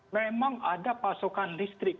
memang ada pasokan listrik